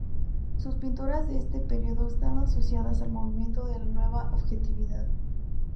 Sus pinturas de este periodo están asociadas al movimiento de la Nueva objetividad.